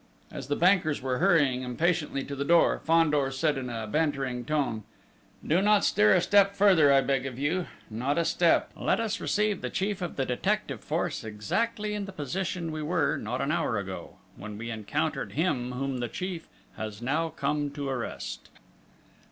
As the bankers were hurrying impatiently to the door, Fandor said in a bantering tone: "Do not stir a step further, I beg of you! Not a step! Let us receive the chief of the detective force exactly in the position we were, not an hour ago, when we encountered him whom the chief has now come to arrest!"